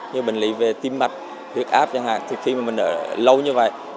như bệnh lý về tim mạch huyết áp thì khi mà mình ở lâu như vậy